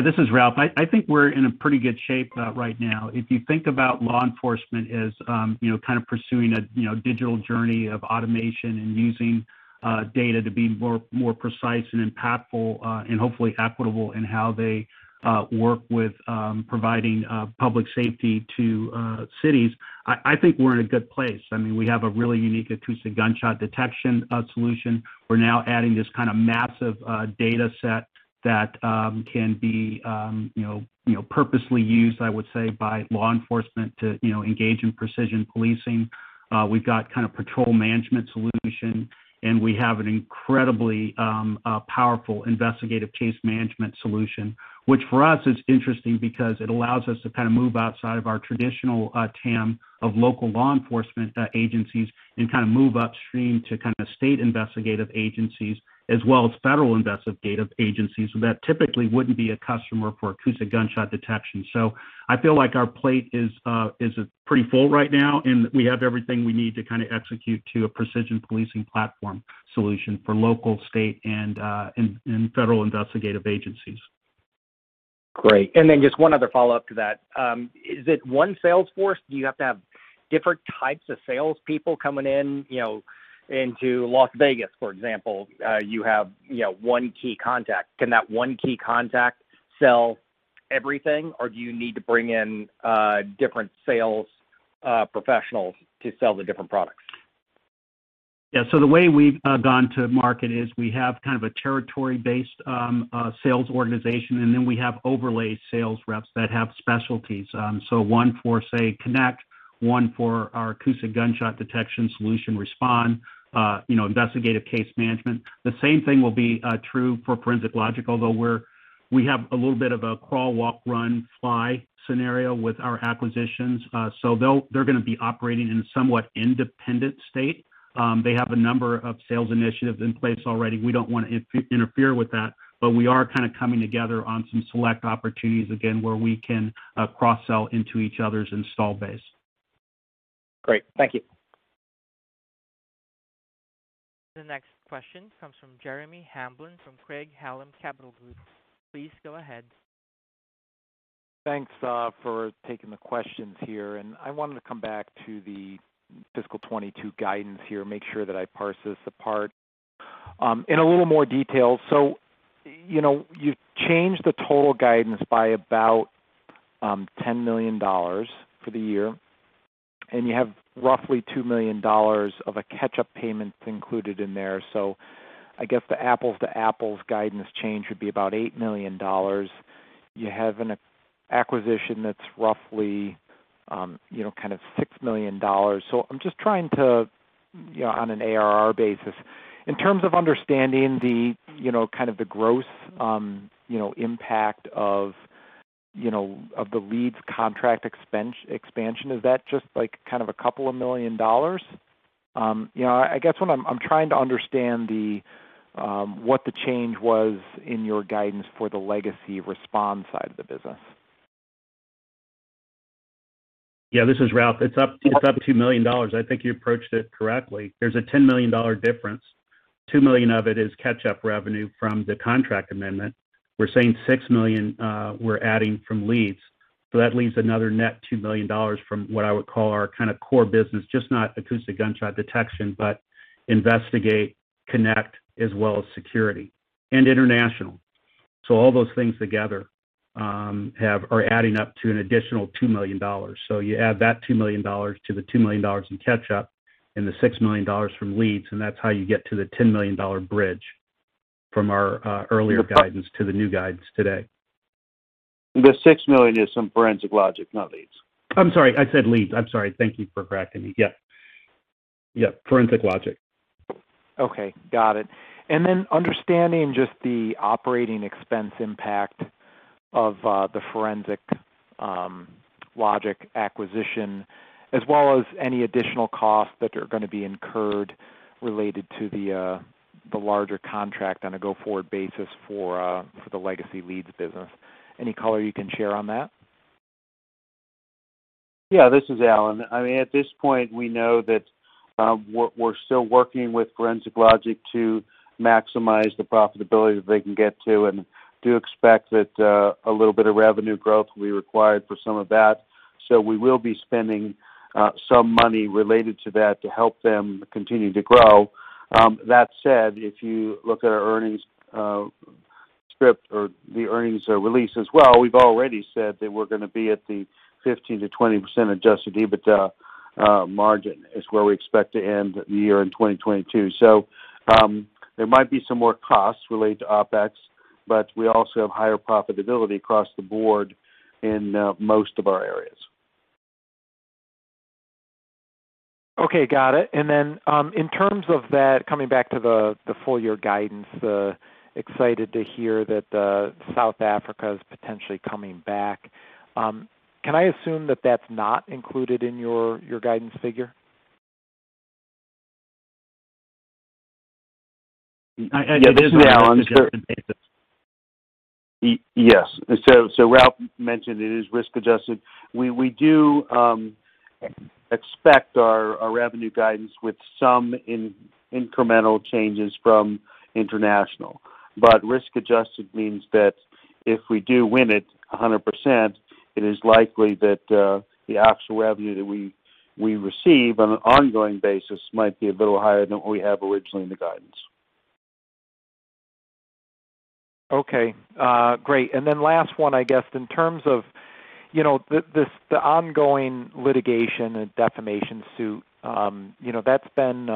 Yeah, this is Ralph. I think we're in a pretty good shape right now. If you think about law enforcement as you know kind of pursuing a you know digital journey of automation and using data to be more precise and impactful and hopefully equitable in how they work with providing public safety to cities, I think we're in a good place. I mean, we have a really unique acoustic gunshot detection solution. We're now adding this kind of massive data set that can be you know purposely used, I would say, by law enforcement to you know engage in precision policing. We've got kind of patrol management solution, and we have an incredibly powerful investigative case management solution, which for us is interesting because it allows us to kind of move outside of our traditional TAM of local law enforcement agencies and kind of move upstream to kind of state investigative agencies as well as federal investigative agencies that typically wouldn't be a customer for acoustic gunshot detection. I feel like our plate is pretty full right now, and we have everything we need to kind of execute to a precision policing platform solution for local, state, and federal investigative agencies. Great. Just one other follow-up to that. Is it one sales force? Do you have to have different types of sales people coming in, you know, into Las Vegas, for example, you have, you know, one key contact. Can that one key contact sell everything, or do you need to bring in different sales professionals to sell the different products? Yeah. The way we've gone to market is we have kind of a territory-based sales organization, and then we have overlay sales reps that have specialties. One for, say, Connect, one for our acoustic gunshot detection solution, Respond, you know, investigative case management. The same thing will be true for Forensic Logic, although we have a little bit of a crawl, walk, run, fly scenario with our acquisitions. They're gonna be operating in a somewhat independent state. They have a number of sales initiatives in place already. We don't wanna interfere with that, but we are kind of coming together on some select opportunities, again, where we can cross-sell into each other's installed base. Great. Thank you. The next question comes from Jeremy Hamblin from Craig-Hallum Capital Group. Please go ahead. Thanks for taking the questions here, and I wanted to come back to the fiscal 2022 guidance here, make sure that I parse this apart in a little more detail. You know, you've changed the total guidance by about $10 million for the year, and you have roughly $2 million of a catch-up payment included in there. I guess the apples-to-apples guidance change would be about $8 million. You have an acquisition that's roughly, you know, kind of $6 million. I'm just trying to, you know, on an ARR basis, in terms of understanding the, you know, kind of the gross, you know, impact of you know, of the leads contract expansion, is that just like kind of a couple of million dollars? You know, I guess what I'm trying to understand what the change was in your guidance for the legacy response side of the business. This is Ralph. It's up $2 million. I think you approached it correctly. There's a $10 million difference. $2 million of it is catch-up revenue from the contract amendment. We're saying $6 million, we're adding from LEADS. That leaves another net $2 million from what I would call our kind of core business, just not acoustic gunshot detection, but Investigate, Connect, as well as security and international. All those things together are adding up to an additional $2 million. You add that $2 million to the $2 million in catch-up and the $6 million from LEADS, and that's how you get to the $10 million bridge from our earlier guidance to the new guidance today. The $6 million is from Forensic Logic, not LEADS. I'm sorry. I said leads. Thank you for correcting me. Yeah, Forensic Logic. Okay. Got it. Understanding just the operating expense impact of the Forensic Logic acquisition as well as any additional costs that are gonna be incurred related to the larger contract on a go-forward basis for the legacy leads business. Any color you can share on that? Yeah, this is Alan. I mean, at this point, we know that, we're still working with Forensic Logic to maximize the profitability that they can get to and do expect that, a little bit of revenue growth will be required for some of that. So we will be spending, some money related to that to help them continue to grow. That said, if you look at our earnings script or the earnings release as well, we've already said that we're gonna be at the 15%-20% adjusted EBITDA margin is where we expect to end the year in 2022. So, there might be some more costs related to OpEx, but we also have higher profitability across the board in, most of our areas. Okay, got it. In terms of that, coming back to the full year guidance, excited to hear that South Africa is potentially coming back. Can I assume that that's not included in your guidance figure? It is on an adjusted basis. Yes. Ralph mentioned it is risk adjusted. We do expect our revenue guidance with some incremental changes from international. Risk adjusted means that if we do win it 100%, it is likely that the actual revenue that we receive on an ongoing basis might be a little higher than what we have originally in the guidance. Okay. Great. Then last one, I guess, in terms of, you know, this ongoing litigation and defamation suit, you know, that's been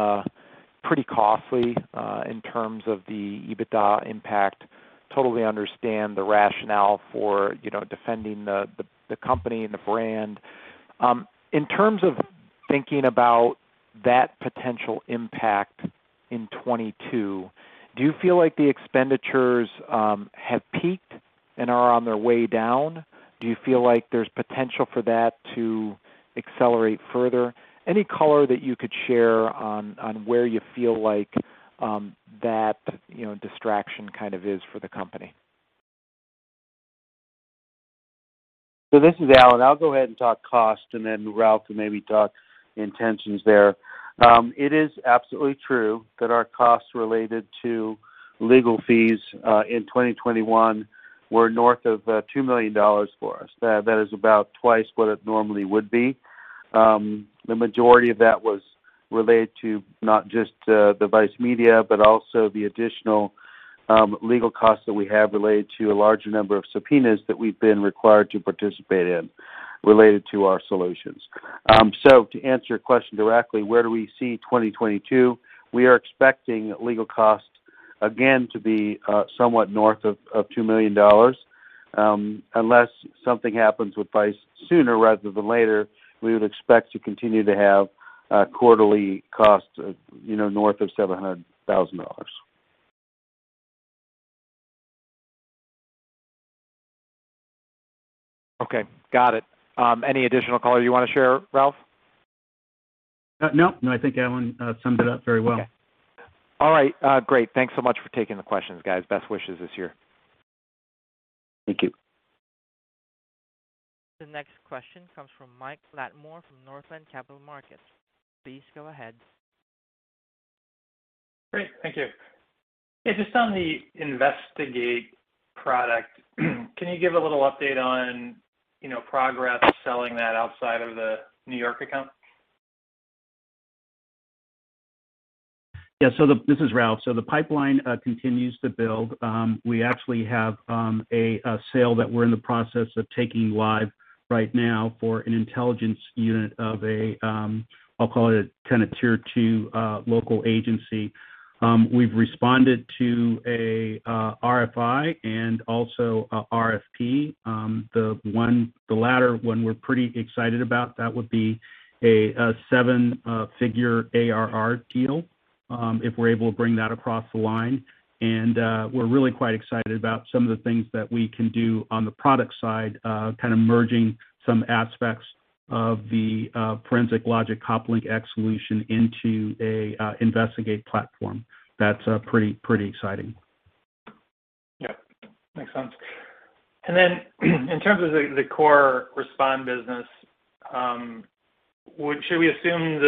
pretty costly in terms of the EBITDA impact. Totally understand the rationale for, you know, defending the company and the brand. In terms of thinking about that potential impact in 2022, do you feel like the expenditures have peaked and are on their way down? Do you feel like there's potential for that to accelerate further? Any color that you could share on where you feel like that, you know, distraction kind of is for the company. This is Alan. I'll go ahead and talk cost and then Ralph can maybe talk intentions there. It is absolutely true that our costs related to legal fees in 2021 were north of $2 million for us. That is about twice what it normally would be. The majority of that was related to not just the Vice Media, but also the additional legal costs that we have related to a larger number of subpoenas that we've been required to participate in related to our solutions. To answer your question directly, where do we see 2022? We are expecting legal costs again to be somewhat north of $2 million. Unless something happens with Vice sooner rather than later, we would expect to continue to have quarterly costs of, you know, north of $700,000. Okay, got it. Any additional color you wanna share, Ralph? No. No, I think Alan summed it up very well. Okay. All right, great. Thanks so much for taking the questions, guys. Best wishes this year. Thank you. The next question comes from Mike Latimore from Northland Capital Markets. Please go ahead. Great. Thank you. Yeah, just on the Investigate product, can you give a little update on, you know, progress selling that outside of the New York account? Yeah. This is Ralph. The pipeline continues to build. We actually have a sale that we're in the process of taking live right now for an intelligence unit of a, I'll call it a kinda tier two local agency. We've responded to a RFI and also a RFP. The latter one we're pretty excited about, that would be a seven-figure ARR deal, if we're able to bring that across the line. We're really quite excited about some of the things that we can do on the product side, kind of merging some aspects of the Forensic Logic CopLink X solution into a investigate platform. That's pretty exciting. Yeah. Makes sense. In terms of the core Respond business, should we assume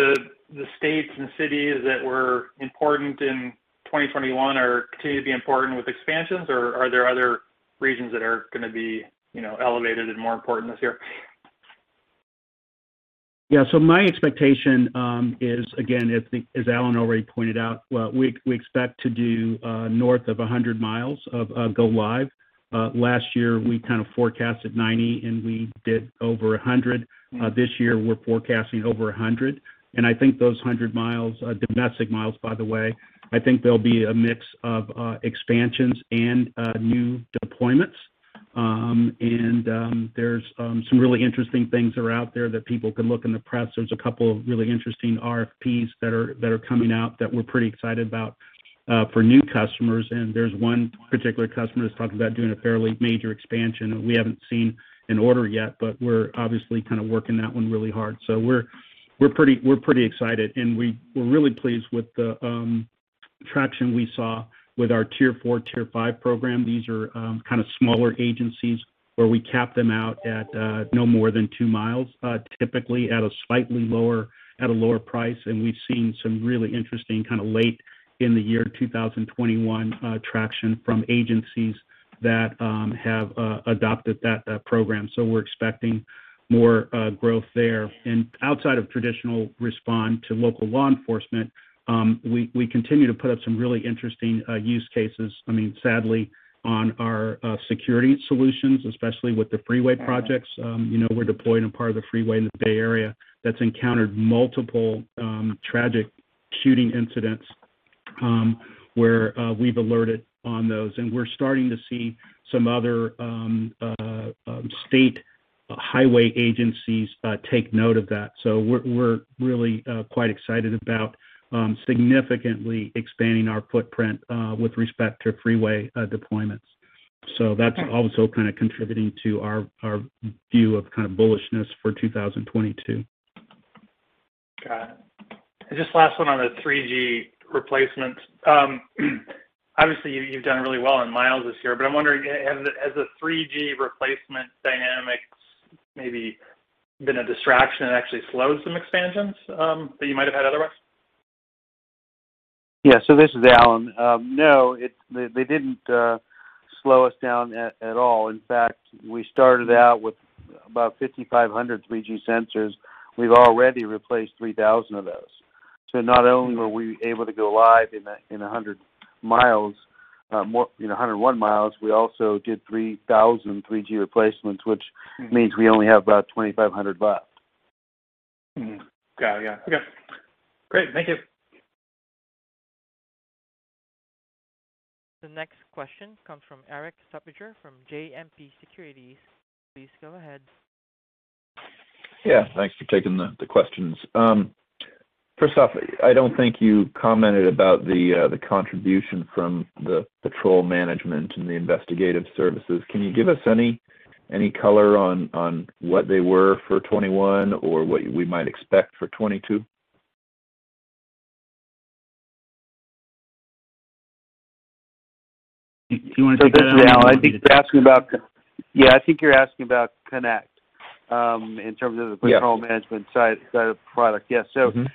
the states and cities that were important in 2021 are continuing to be important with expansions or are there other regions that are gonna be, you know, elevated and more important this year? Yeah. My expectation is again, as Alan already pointed out, well, we expect to do north of 100 miles of go live. Last year, we kind of forecasted 90, and we did over 100. This year, we're forecasting over 100. I think those 100 miles, domestic miles, by the way, I think they'll be a mix of expansions and new deployments. There's some really interesting things out there that people can look in the press. There's a couple of really interesting RFPs that are coming out that we're pretty excited about for new customers. There's one particular customer who's talking about doing a fairly major expansion. We haven't seen an order yet, but we're obviously kind of working that one really hard. We're pretty excited, and we're really pleased with the traction we saw with our tier four, tier five program. These are kind of smaller agencies where we cap them out at no more than two miles, typically at a lower price. We've seen some really interesting kind of late in the year 2021 traction from agencies that have adopted that program. We're expecting more growth there. Outside of traditional respond to local law enforcement, we continue to put up some really interesting use cases. I mean, sadly, on our security solutions, especially with the freeway projects, you know, we're deploying a part of the freeway in the Bay Area that's encountered multiple tragic shooting incidents, where we've alerted on those. We're starting to see some other state highway agencies take note of that. We're really quite excited about significantly expanding our footprint with respect to freeway deployments. That's also kind of contributing to our view of kind of bullishness for 2022. Got it. Just last one on the 3G replacement. Obviously, you've done really well in miles this year, but I'm wondering has the 3G replacement dynamics maybe been a distraction and actually slowed some expansions, that you might have had otherwise? Yeah. This is Alan. No, they didn't slow us down at all. In fact, we started out with about 5,500 3G sensors. We've already replaced 3,000 of those. Not only were we able to go live in a 100 miles more, you know, 101 miles, we also did 3,000 3G replacements, which means we only have about 2,500 left. Got it. Yeah. Okay. Great. Thank you. The next question comes from Eric Martinuzzi from JMP Securities. Please go ahead. Yeah, thanks for taking the questions. First off, I don't think you commented about the contribution from the patrol management and the investigative services. Can you give us any color on what they were for 2021 or what we might expect for 2022? Do you wanna take that, Alan? This is Alan. I think you're asking about Connect in terms of- Yes The patrol management side of the product. Yes. Mm-hmm.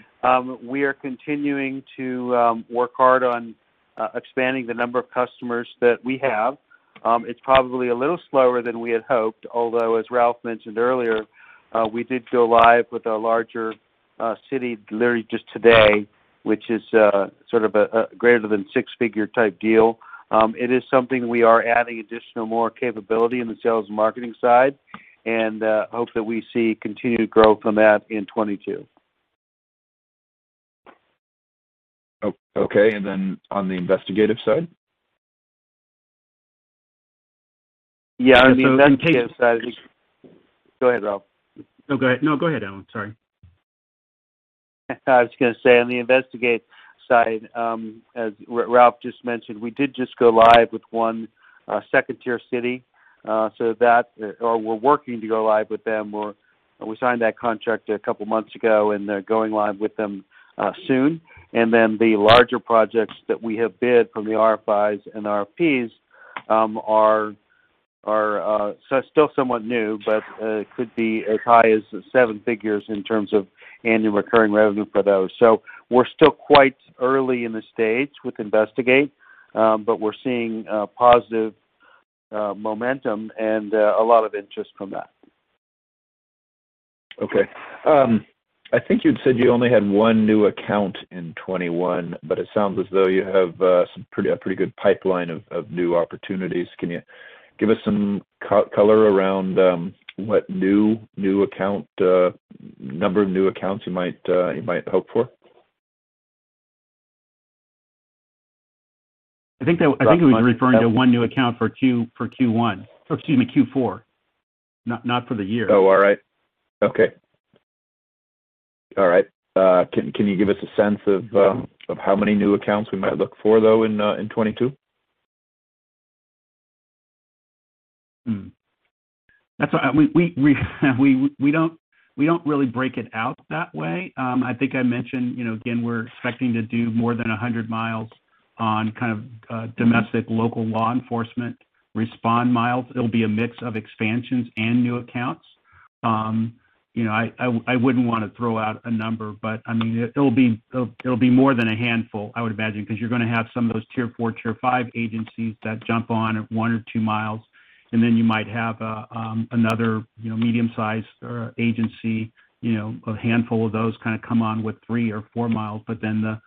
We are continuing to work hard on expanding the number of customers that we have. It's probably a little slower than we had hoped, although, as Ralph mentioned earlier, we did go live with a larger city literally just today, which is sort of a greater than six-figure type deal. It is something we are adding additional more capability in the sales and marketing side, and hope that we see continued growth from that in 2022. Okay. On the investigative side? Yeah. On the investigative side. In case Go ahead, Ralph. No, go ahead. No, go ahead, Alan. Sorry. I was gonna say, on the investigate side, as Ralph just mentioned, we signed that contract a couple months ago, and they're going live with them soon. Then the larger projects that we have bid from the RFIs and RFPs are still somewhat new but could be as high as seven figures in terms of annual recurring revenue for those. We're still quite early in the states with Investigate, but we're seeing positive momentum and a lot of interest from that. Okay. I think you'd said you only had 1 new account in 2021, but it sounds as though you have a pretty good pipeline of new opportunities. Can you give us some color around what new account number of new accounts you might hope for? I think he was referring to one new account for Q1, or excuse me, Q4, not for the year. All right. Okay. All right. Can you give us a sense of how many new accounts we might look for, though, in 2022? We don't really break it out that way. I think I mentioned, you know, again, we're expecting to do more than 100 miles on kind of domestic local law enforcement respond miles. It'll be a mix of expansions and new accounts. You know, I wouldn't wanna throw out a number, but I mean, it'll be more than a handful, I would imagine, 'cause you're gonna have some of those tier 4, tier 5 agencies that jump on at 1 or 2 miles, and then you might have a another, you know, medium-sized agency, you know, a handful of those kinda come on with 3 or 4 miles. But then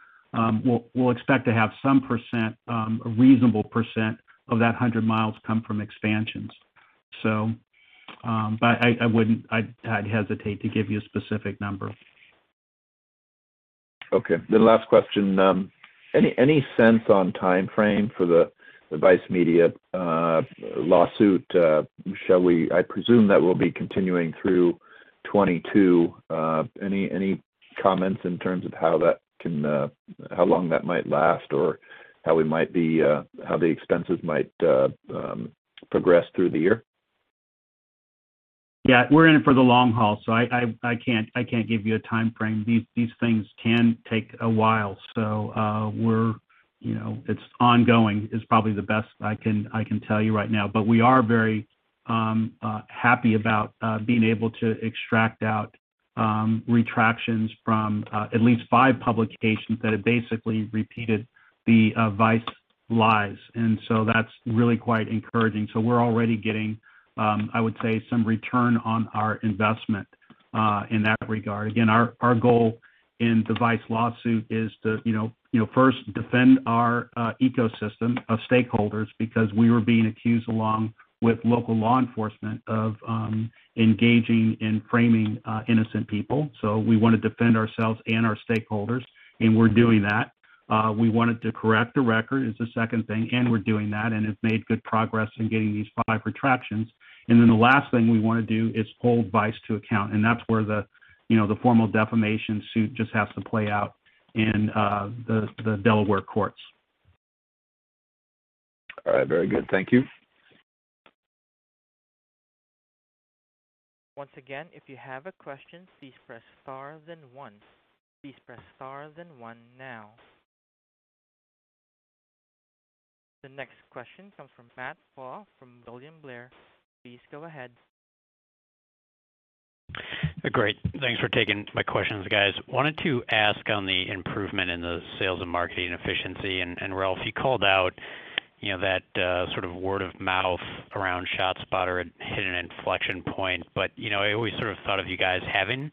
we'll expect to have some %, a reasonable % of that 100 miles come from expansions. I wouldn't. I'd hesitate to give you a specific number. Okay. Last question. Any sense on timeframe for the Vice Media lawsuit? I presume that will be continuing through 2022. Any comments in terms of how long that might last or how the expenses might progress through the year? Yeah. We're in it for the long haul, so I can't give you a timeframe. These things can take a while. It's ongoing is probably the best I can tell you right now. We are very happy about being able to extract out retractions from at least five publications that have basically repeated the Vice lies. That's really quite encouraging. We're already getting, I would say some return on our investment in that regard. Again, our goal in the Vice lawsuit is to you know first defend our ecosystem of stakeholders because we were being accused along with local law enforcement of engaging and framing innocent people. We wanna defend ourselves and our stakeholders, and we're doing that. We wanted to correct the record is the second thing, and we're doing that, and it's made good progress in getting these five retractions. The last thing we wanna do is hold Vice to account, and that's where, you know, the formal defamation suit just has to play out in the Delaware courts. All right. Very good. Thank you. The next question comes from Matthew Pfau from William Blair. Please go ahead. Great. Thanks for taking my questions, guys. Wanted to ask on the improvement in the sales and marketing efficiency. Ralph, you called out, you know, that sort of word of mouth around ShotSpotter had hit an inflection point. You know, I always sort of thought of you guys having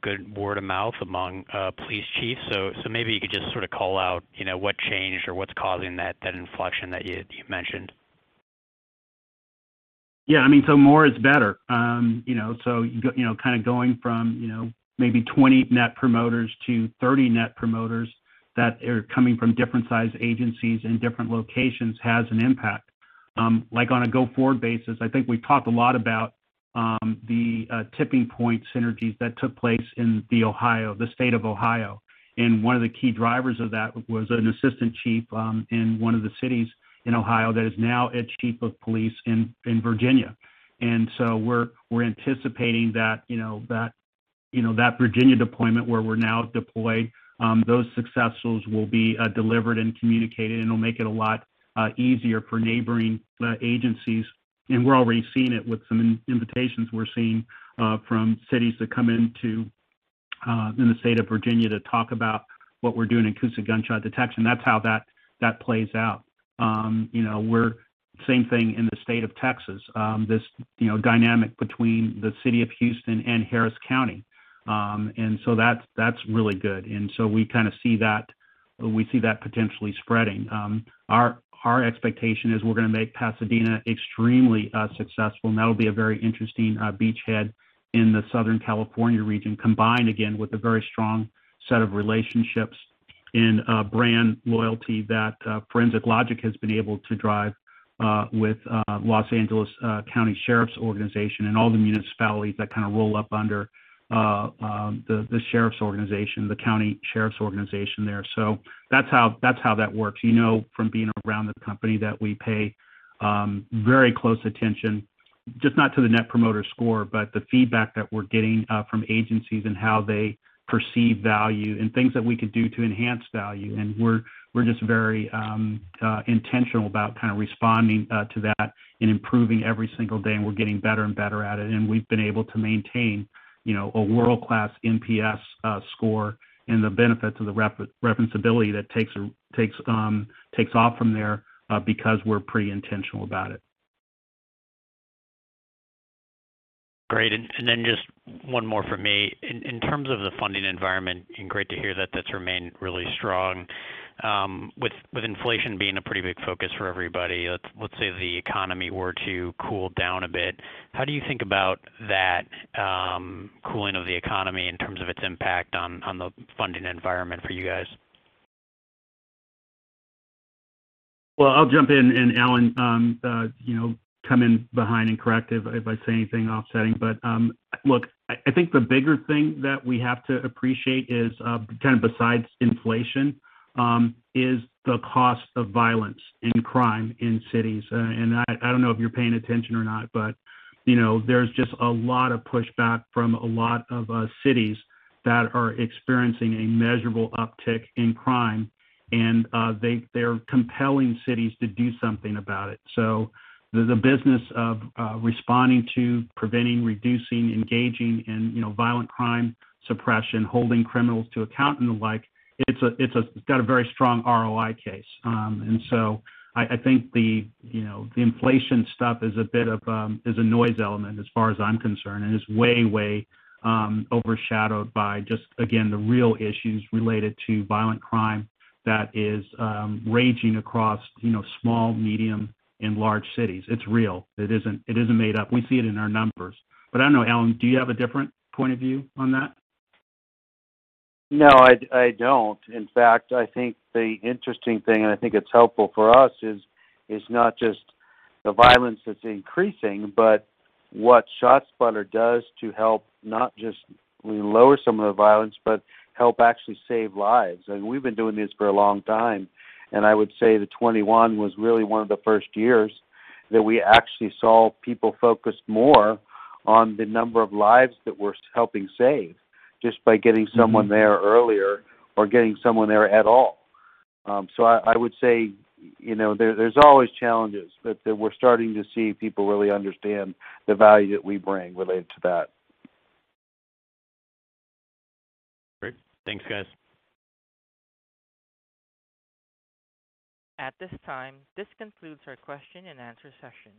good word of mouth among police chiefs. Maybe you could just sort of call out, you know, what changed or what's causing that inflection that you mentioned. Yeah. I mean, more is better. You know, go, you know, kind of going from, you know, maybe 20 net promoters to 30 net promoters that are coming from different sized agencies in different locations has an impact. Like on a go-forward basis, I think we've talked a lot about the tipping point synergies that took place in the state of Ohio. One of the key drivers of that was an assistant chief in one of the cities in Ohio that is now a chief of police in Virginia. We're anticipating that Virginia deployment where we're now deployed, those successes will be delivered and communicated, and it'll make it a lot easier for neighboring agencies. We're already seeing it with some invitations we're seeing from cities that come into the state of Virginia to talk about what we're doing in acoustic gunshot detection. That's how that plays out. You know, same thing in the state of Texas, this dynamic between the city of Houston and Harris County. That's really good. We kinda see that, we see that potentially spreading. Our expectation is we're gonna make Pasadena extremely successful, and that'll be a very interesting beachhead in the Southern California region, combined, again, with a very strong set of relationships and brand loyalty that Forensic Logic has been able to drive with Los Angeles County Sheriff's Department and all the municipalities that kinda roll up under the sheriff's organization, the county sheriff's organization there. That's how that works. You know from being around the company that we pay very close attention, just not to the net promoter score, but the feedback that we're getting from agencies and how they perceive value and things that we could do to enhance value. We're just very intentional about kinda responding to that and improving every single day, and we're getting better and better at it. We've been able to maintain, you know, a world-class NPS score and the benefits of the referenceability that takes off from there, because we're pretty intentional about it. Great. Just one more from me. In terms of the funding environment and great to hear that that's remained really strong. With inflation being a pretty big focus for everybody, let's say the economy were to cool down a bit. How do you think about that cooling of the economy in terms of its impact on the funding environment for you guys? Well, I'll jump in, and Alan, you know, come in behind and correct if I say anything offsetting. Look, I think the bigger thing that we have to appreciate is, kind of besides inflation, the cost of violence and crime in cities. I don't know if you're paying attention or not, but you know, there's just a lot of pushback from a lot of cities that are experiencing a measurable uptick in crime. They're compelling cities to do something about it. The business of responding to preventing, reducing, engaging in, you know, violent crime suppression, holding criminals to account and the like, it's got a very strong ROI case. I think you know the inflation stuff is a bit of a noise element as far as I'm concerned and is way overshadowed by just again the real issues related to violent crime that is raging across you know small medium and large cities. It's real. It isn't made up. We see it in our numbers. I don't know, Alan, do you have a different point of view on that? No, I don't. In fact, I think the interesting thing, and I think it's helpful for us, is not just the violence that's increasing, but what ShotSpotter does to help not just lower some of the violence, but help actually save lives. We've been doing this for a long time, and I would say that 2021 was really one of the first years that we actually saw people focused more on the number of lives that we're helping save, just by getting someone there earlier or getting someone there at all. I would say, you know, there's always challenges, but that we're starting to see people really understand the value that we bring related to that. Great. Thanks, guys. At this time, this concludes our question and answer session.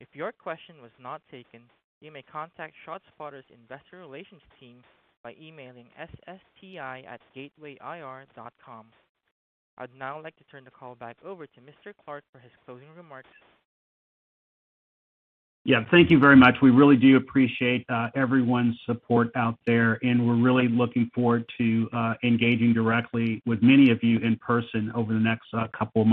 If your question was not taken, you may contact ShotSpotter's investor relations team by emailing ssti@gatewayir.com. I'd now like to turn the call back over to Mr. Clark for his closing remarks. Yeah. Thank you very much. We really do appreciate everyone's support out there, and we're really looking forward to engaging directly with many of you in person over the next couple-